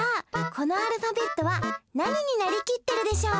このアルファベットはなにになりきってるでしょう？